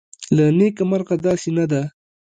له نیکه مرغه داسې نه ده